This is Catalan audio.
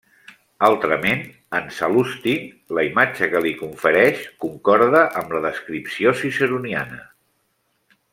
Altrament, en Sal·lusti la imatge que li confereix concorda amb la descripció ciceroniana.